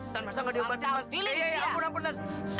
tanda masa gak diobatin iya iya ampun ampun tanda